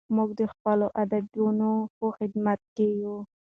موږ د خپلو ادیبانو په خدمت کې یو.